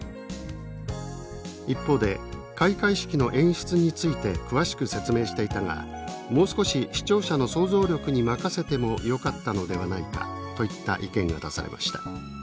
一方で「開会式の演出について詳しく説明していたがもう少し視聴者の想像力に任せてもよかったのではないか」といった意見が出されました。